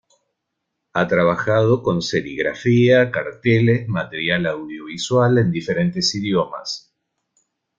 Ha trabajado con serigrafía, carteles, material audiovisual en diferentes idiomas.